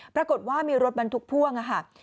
ปรากฏว่ามีรถบรรทุกพ่วงค่ะ